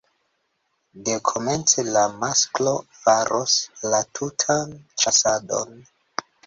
Dekomence la masklo faras la tutan ĉasadon.